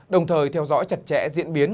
đồng thời theo dõi chặt chẽ diễn biến